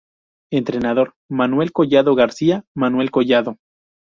Entrenador: Manuel Collado García: Manuel Collado